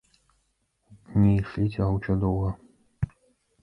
Дні ішлі цягуча доўга.